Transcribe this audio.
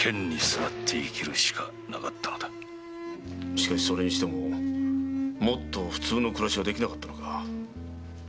しかしもっと普通の暮らしはできなかったのか？